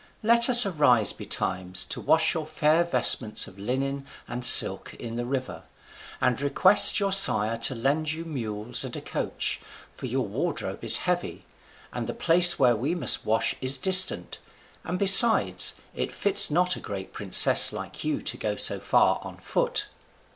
Let us arise betimes to wash your fair vestments of linen and silks in the river; and request your sire to lend you mules and a coach, for your wardrobe is heavy, and the place where we must wash is distant, and besides it fits not a great princess like you to go so far on foot."